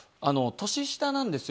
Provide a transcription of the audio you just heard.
年下なんですよ。